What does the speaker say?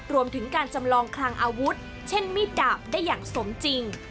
รวมถึงการจำลองคลังอาวุธเช่นมีดดาบได้อย่างสมจริง